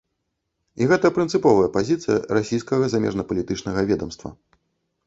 І гэта прынцыповая пазіцыя расійскага замежнапалітычнага ведамства.